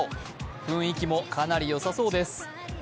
雰囲気もかなりよさそうです。